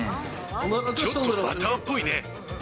ちょっとバターっぽいね。